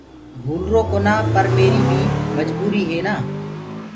ڀوُلروَ ڪونآ پر ميريٚ بيٚ مجبوريٚ هي نآ